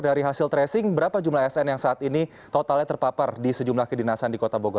dari hasil tracing berapa jumlah sn yang saat ini totalnya terpapar di sejumlah kedinasan di kota bogor